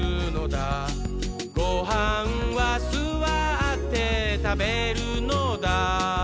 「ごはんはすわってたべるのだ」